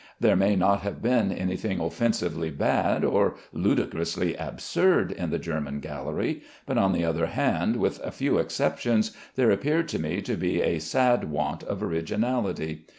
There may not have been any thing offensively bad or ludicrously absurd in the German gallery, but on the other hand, with a few exceptions, there appeared to me to be a sad want of originality.